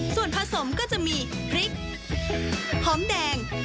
ส่วนผสมก็จะมีพริกหอมแดง